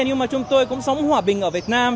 nhưng mà chúng tôi cũng sống hòa bình ở việt nam